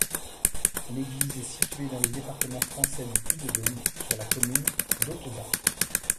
L'église est située dans le département français du Puy-de-Dôme, sur la commune d'Authezat.